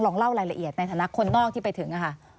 เล่ารายละเอียดในฐานะคนนอกที่ไปถึงค่ะ